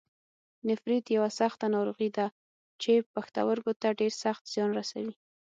نفریت یوه سخته ناروغي ده چې پښتورګو ته ډېر سخت زیان رسوي.